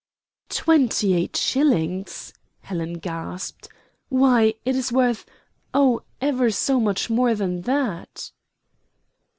"Twenty eight shillings," Helen gasped; "why, it is worth oh, ever so much more than that!"